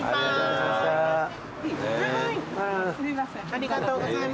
ありがとうございます。